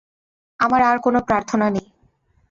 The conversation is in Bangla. আমার আর কোনো প্রার্থনা নেই।